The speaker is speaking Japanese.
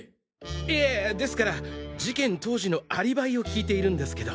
いえですから事件当時のアリバイを聞いているんですけど。